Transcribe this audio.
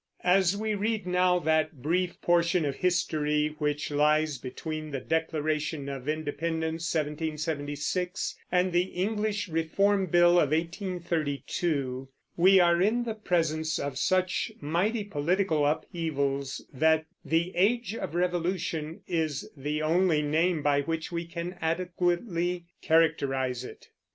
As we read now that brief portion of history which lies between the Declaration of Independence (1776) and the English Reform Bill of 1832, we are in the presence of such mighty political upheavals that "the age of revolution" is the only name by which we can adequately characterize it.